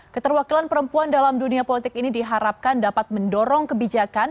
keterwakilan perempuan dalam dunia politik ini diharapkan dapat mendorong kebijakan